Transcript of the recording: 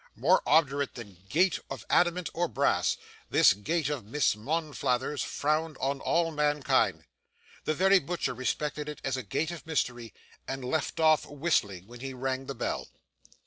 More obdurate than gate of adamant or brass, this gate of Miss Monflathers's frowned on all mankind. The very butcher respected it as a gate of mystery, and left off whistling when he rang the bell.